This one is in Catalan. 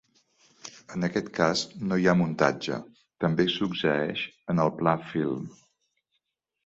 En aquest cas no hi ha muntatge, també succeeix en el pla film.